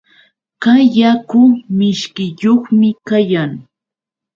Kay yaku mishkiyuqmi kayan.